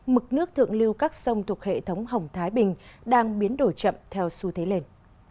mực nước thượng lưu các sông thuộc hệ thống hồng thái bình đang biến đổi chậm theo xu thế lên